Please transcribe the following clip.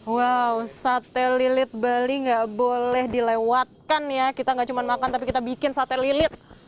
wow sate lilit bali nggak boleh dilewatkan ya kita nggak cuma makan tapi kita bikin sate lilit